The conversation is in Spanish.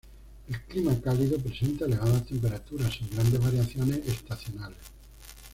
El clima cálido presenta elevadas temperaturas, sin grandes variaciones estacionales.